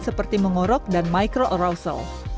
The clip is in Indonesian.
seperti mengorok dan microarousal